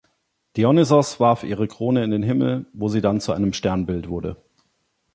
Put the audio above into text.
Dionysos warf ihre Krone in den Himmel, wo sie dann zu einem Sternbild wurde.